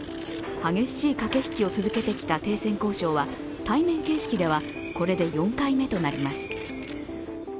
激しい駆け引きを続けてきた停戦交渉は対面形式ではこれで４回目となります。